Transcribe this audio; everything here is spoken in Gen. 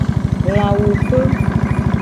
Lawupe.